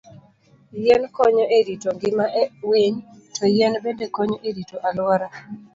Yien konyo e rito ngima winy, to yien bende konyo e rito alwora.